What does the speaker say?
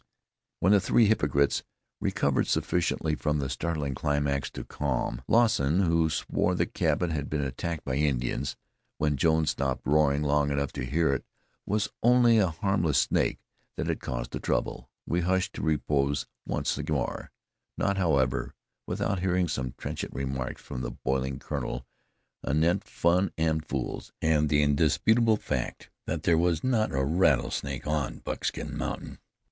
When the three hypocrites recovered sufficiently from the startling climax to calm Lawson, who swore the cabin had been attacked by Indians; when Jones stopped roaring long enough to hear it was only a harmless snake that had caused the trouble, we hushed to repose once more not, however, without hearing some trenchant remarks from the boiling Colonel anent fun and fools, and the indubitable fact that there was not a rattlesnake on Buckskin Mountain.